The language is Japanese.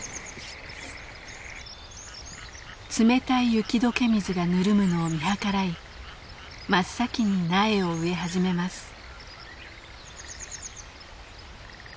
冷たい雪解け水がぬるむのを見計らい真っ先に苗を植え始めます。